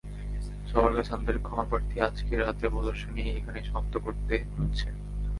সবার কাছে আন্তরিক ক্ষমাপ্রার্থী, আজকে রাতের প্রদর্শনী এখানেই সমাপ্ত করতে হচ্ছে।